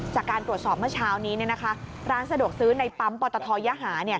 จากการตรวจสอบเมื่อเช้านี้ร้านสะดวกซื้อในปั๊มปตทยหา